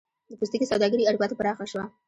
د پوستکي سوداګري اروپا ته پراخه شوه.